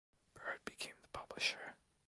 Byrd became the publisher.